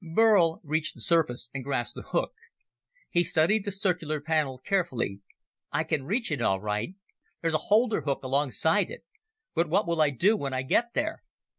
Burl reached the surface and grasped the hook. He studied the circular panel carefully. "I can reach it all right. There's a holder hook alongside it. But what will I do when I get there?"